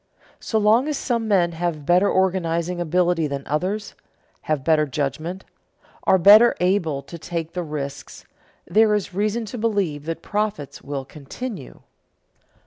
So long as some men have better organizing ability than others, have better judgment, are better able to take the risks, there is reason to believe that profits will continue.